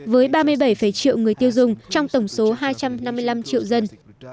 với ba mươi bảy triệu người tiêu dùng trong tổng số hai trăm năm mươi năm triệu dân